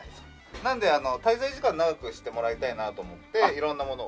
なので滞在時間長くしてもらいたいなと思って色んなものを。